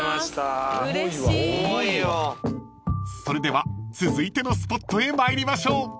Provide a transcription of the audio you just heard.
［それでは続いてのスポットへ参りましょう］